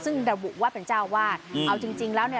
ซึ่งระบุว่าเป็นเจ้าวาดเอาจริงจริงแล้วเนี่ย